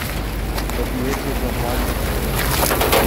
But the edges "are" brighter for it.